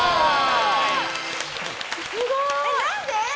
すごい！何で？